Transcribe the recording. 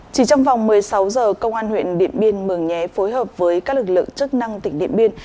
chỉ trong vòng một mươi sáu h công an huyện điện biên mường nhé phối hợp với các lực lượng chức năng tỉnh điện biên